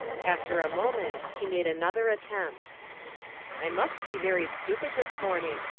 After a moment he made another attempt. "I must be very stupid this morning.